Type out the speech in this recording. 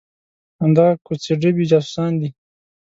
همدغه کوڅې ډبي جاسوسان دي.